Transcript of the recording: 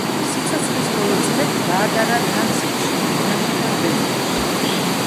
სიცოცხლის ბოლო წლები გაატარა დანციგში, ვენაში და დრეზდენში.